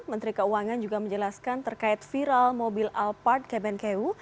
menteri keuangan juga menjelaskan terkait viral mobil alphard kemenkeu